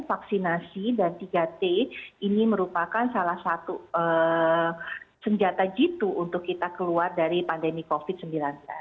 vaksinasi dan tiga t ini merupakan salah satu senjata jitu untuk kita keluar dari pandemi covid sembilan belas